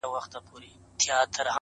ږغ مي بدل سويدی اوس”